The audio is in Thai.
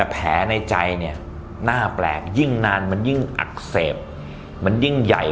แผลในใจเนี่ยน่าแปลกยิ่งนานมันยิ่งอักเสบมันยิ่งใหญ่